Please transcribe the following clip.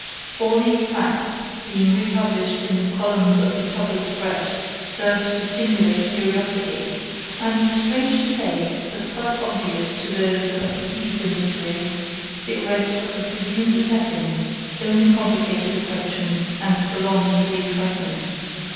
All these facts, being republished in the columns of the public press, served to stimulate curiosity; and, strange to say, but quite obvious to those who have the key to the mystery, the arrest of the presumed assassin only complicated the question and prolonged the excitement.